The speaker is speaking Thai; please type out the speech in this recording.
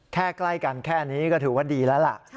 ใกล้กันแค่นี้ก็ถือว่าดีแล้วล่ะ